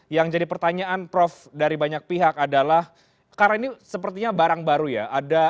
yang jadi pertanyaan prof dari banyak pihak adalah karena ini sepertinya barang baru ya